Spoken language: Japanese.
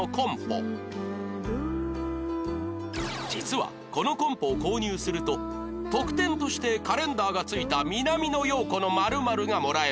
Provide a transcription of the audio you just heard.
実はこのコンポを購入すると特典としてカレンダーが付いた南野陽子の○○がもらえました